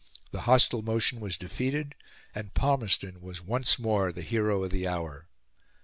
The hostile motion was defeated, and Palmerston was once more the hero of the hour.